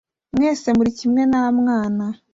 mwese muri kimwe, nta mwana,